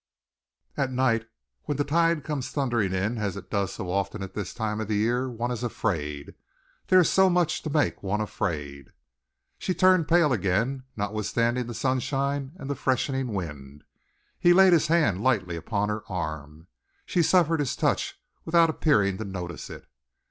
At night, when the tide comes thundering in as it does so often at this time of the year, one is afraid. There is so much to make one afraid!" She had turned pale again, notwithstanding the sunshine and the freshening wind. He laid his hand lightly upon her arm. She suffered his touch without appearing to notice it.